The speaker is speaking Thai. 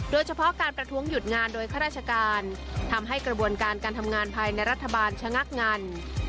โดยเฉพาะการประท้วงหยุดงานโดยข้าราชการทำให้กระบวนการการทำงานภายในรัฐบาลชะงักงัน